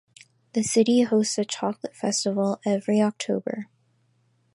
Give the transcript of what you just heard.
The city hosts a chocolate festival every October.